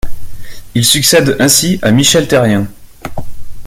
Il succède ainsi à Michel Therrien.